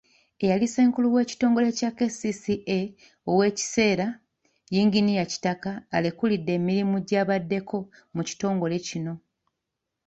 Eyali Ssenkulu wa w'ekitongole kya KCCA ow'ekiseera, yinginiya Kitaka, alekulidde emirimu gy'abaddeko mu kitongole kino.